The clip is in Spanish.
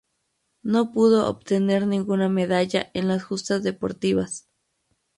No pudo obtener ninguna medalla en las justas deportivas.